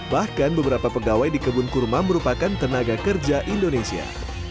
bahkan beberapa pegawai di kebun kurma merupakan tenaga kerja indonesia